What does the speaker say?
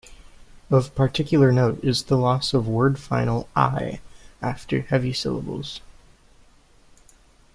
Of particular note is the loss of word-final "-i" after heavy syllables.